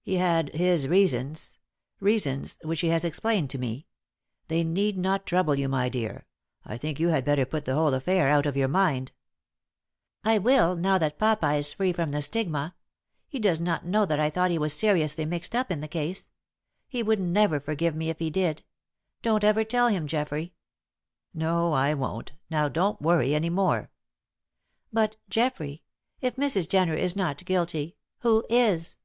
"He had his reasons reasons, which he has explained to me. They need not trouble you, my dear. I think you had better put the whole affair out of your mind." "I will, now that papa is free from the stigma; he does not know that I thought he was seriously mixed up in the case. He would never forgive me if he did! Don't ever tell him, Geoffrey." "No, I won't. Now, don't worry any more." "But, Geoffrey, if Mrs. Jenner is not guilty, who is?"